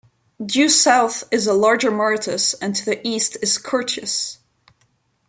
Due south is the larger Moretus, and to the east is Curtius.